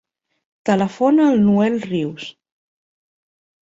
Telefona al Noel Rius.